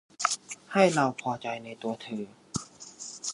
ให้เราพอใจในตัวเธอ